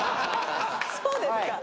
「そうですか？」